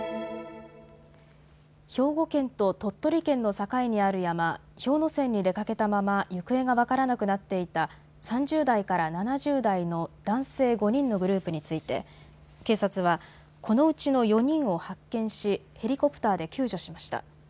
兵庫県と鳥取県の境にある山、氷ノ山に出かけたまま行方が分からなくなっていた３０代から７０代の男性５人のグループについて警察はこのうちの４人を発見しヘリコプターで救助しました。